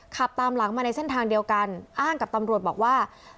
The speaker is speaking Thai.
ขับตามหลังมาในเส้นทางเดียวกันอ้างกับตำรวจบอกว่า